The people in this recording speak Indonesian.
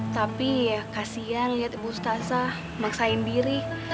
tapi ya kasihan lihat ibu sdaza maksain diri